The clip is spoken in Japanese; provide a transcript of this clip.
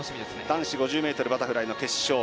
男子５０ｍバタフライの決勝。